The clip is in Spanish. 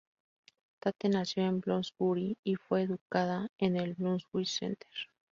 Tate nació en Bloomsbury y fue educada en el Brunswick Centre.